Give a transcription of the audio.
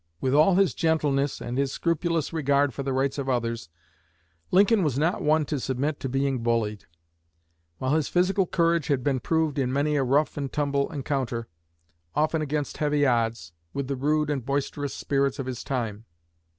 With all his gentleness and his scrupulous regard for the rights of others, Lincoln was not one to submit to being bullied; while his physical courage had been proved in many a rough and tumble encounter, often against heavy odds, with the rude and boisterous spirits of his time.